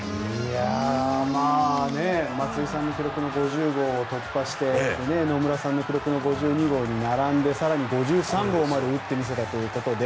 松井さんの記録の５０号を突破して野村さんの記録の５２号に並んで更に５３号まで打ってみせたということで。